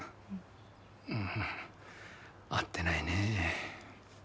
うん会ってないねえ。